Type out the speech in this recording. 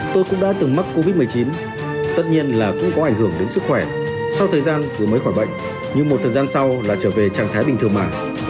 tôi cũng đã từng mắc covid một mươi chín tất nhiên là cũng có ảnh hưởng đến sức khỏe sau thời gian vừa mới khỏi bệnh nhưng một thời gian sau là trở về trạng thái bình thường mạng